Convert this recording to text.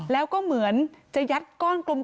แล้วก็เหมือนจะยัดก้อนกลม